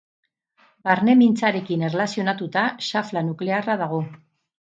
Barne mintzarekin erlazionatuta xafla nuklearra dago.